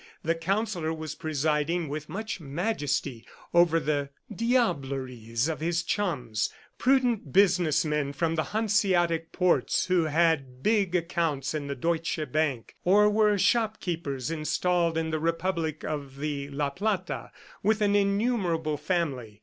The Counsellor was presiding with much majesty over the diableries of his chums, prudent business men from the Hanseatic ports who had big accounts in the Deutsche Bank or were shopkeepers installed in the republic of the La Plata, with an innumerable family.